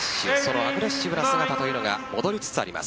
アグレッシブな姿というのが戻りつつあります